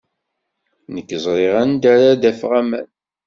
Nekk ẓriɣ anda ara d-afeɣ aman.